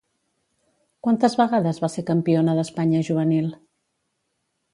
Quantes vegades va ser campiona d'Espanya juvenil?